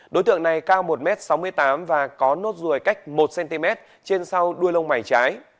đối tượng này cao một m sáu mươi tám và có nốt ruồi cách một cm trên sau đuôi lông mày trái